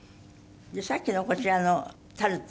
さっきのこちらのタルト。